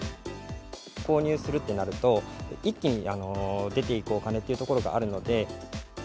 購入するってなると、一気に出ていくお金というところがあるので。